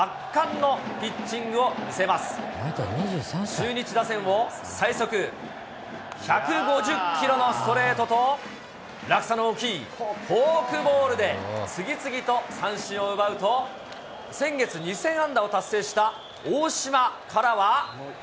中日打線を最速１５０キロのストレートと、落差の大きいフォークボールで次々と三振を奪うと、先月、２０００安打を達成した大島からは。